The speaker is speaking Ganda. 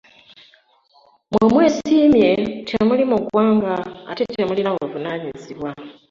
Mmwe mwesiimye temuli mu ggwanga ate temulina buvunaanyizibwa